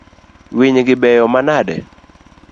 Winygi beyo manade?